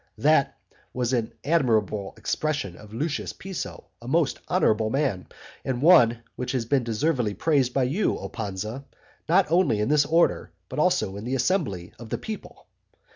That was in admirable expression of Lucius Piso, a most honourable man, and one which has been deservedly praised by you O Pansa, not only in this order, but also in the assembly of the people.